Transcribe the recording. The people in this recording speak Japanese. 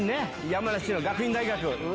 山梨の学院大学。